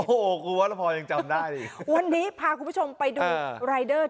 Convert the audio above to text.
โอ้โหคือว่าแล้วพอยังจำได้นี่วันนี้พาคุณผู้ชมไปดู